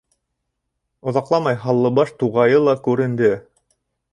Оҙаҡламай Һаллыбаш туғайы ла күренде.